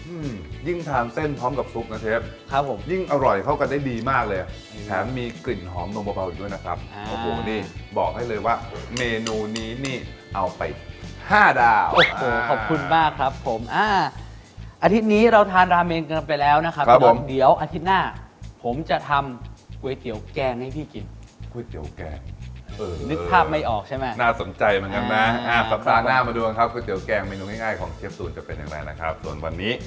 อืมยิ่งทานเส้นพร้อมกับซุปนะเชฟครับผมยิ่งอร่อยเข้ากันได้ดีมากเลยแถมมีกลิ่นหอมลงประวัติด้วยนะครับบอกให้เลยว่าเมนูนี้นี่เอาไป๕ดาวขอบคุณมากครับผมอาทิตย์นี้เราทานราเมนกันไปแล้วนะครับครับผมเดี๋ยวอาทิตย์หน้าผมจะทำก๋วยเตี๋ยวแกงให้พี่กินก๋วยเตี๋ยวแกงนึกภาพไม่ออกใช่ไหมน่าสนใ